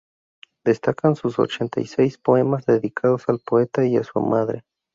Destacan sus ochenta y seis poemas dedicados al poeta y a su madre.